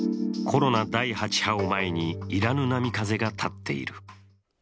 コロナ第８波を前に要らぬ波風が立っている。